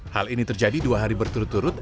hal ini terjadi dua hari berturut turut